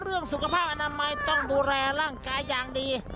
เรื่องสุขภาพอนามัยต้องดูแลร่างกายอย่างดี